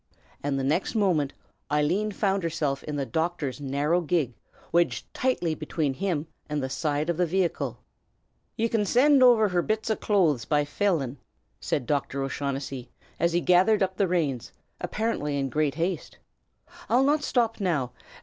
And the next moment Eileen found herself in the doctor's narrow gig, wedged tightly between him and the side of the vehicle. "Ye can sind her bits o' clothes over by Phelim," said Dr. O'Shaughnessy, as he gathered up the reins, apparently in great haste. "I'll not shtop now.